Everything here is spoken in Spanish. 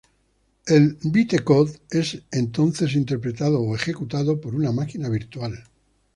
El "bytecode" es entonces interpretado, o ejecutado por una máquina virtual.